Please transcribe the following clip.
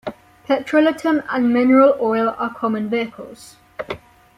Petrolatum and mineral oil are common vehicles.